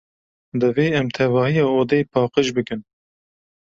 Divê em tevahiya odeyê paqij bikin.